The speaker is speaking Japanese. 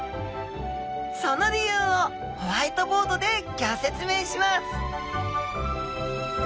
その理由をホワイトボードでギョ説明します